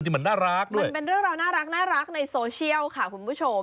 มันเป็นเรื่องราวน่ารักในโซเชียลค่ะคุณผู้ชม